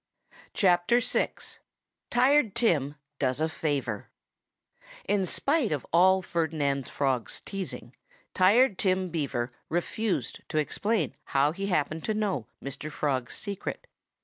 VI TIRED TIM DOES A FAVOR In spite of all Ferdinand Frog's teasing, Tired Tim Beaver refused to explain how he happened to know Mr. Frog's secret.